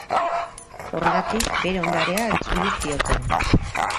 Horregatik, bere ondarea itzuli zioten.